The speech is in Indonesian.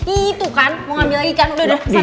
itu kan mau ngambil lagi kan udah udah sana sana